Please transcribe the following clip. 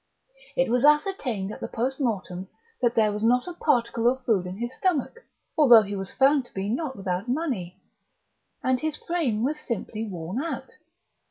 It was ascertained at the post mortem that there was not a particle of food in his stomach, although he was found to be not without money. And his frame was simply worn out.